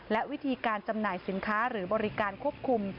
และวิธีการจำหน่ายสินค้าหรือบริการควบคุม